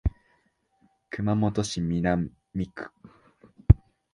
熊本市南区